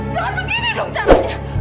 jangan begini dong caranya